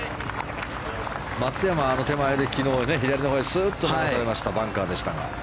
松山はあの手前で左のほうにスッと流されてバンカーでしたが。